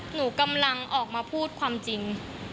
หนูกำลังออกมาพูดความจริง